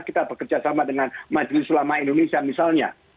kita bekerja sama dengan majelis ulama indonesia misalnya